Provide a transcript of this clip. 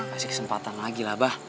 kasih kesempatan lagi lah bah